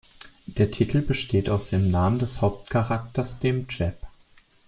Der Titel besteht aus dem Namen des Hauptcharakters, dem jap.